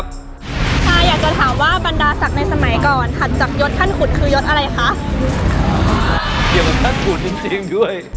พี่ผิด